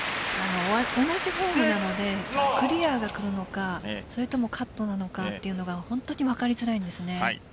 同じフォームなのでクリアが来るのかそれともカットなのかというのが本当に分かりづらいですね。